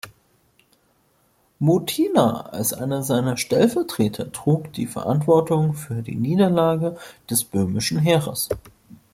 Mutina als einer seiner Stellvertreter trug die Verantwortung für die Niederlage des böhmischen Heeres.